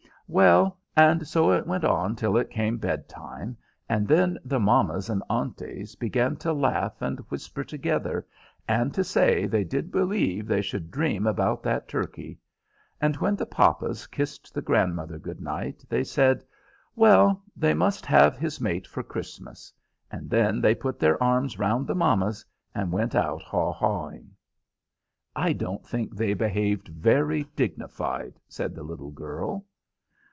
Well, and so it went on till it came bedtime, and then the mammas and aunties began to laugh and whisper together, and to say they did believe they should dream about that turkey; and when the papas kissed the grandmother good night, they said, Well, they must have his mate for Christmas; and then they put their arms round the mammas and went out haw hawing. "I don't think they behaved very dignified," said the little girl.